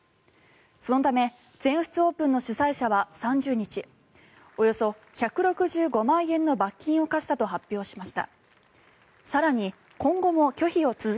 そのため全仏オープンの主催者は３０日およそ１６５万円の罰金を科したと発表しました。